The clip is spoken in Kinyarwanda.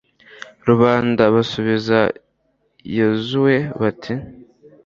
rubanda basubiza yozuwe bati